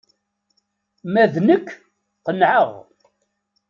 Ma d nekk, qenɛeɣ.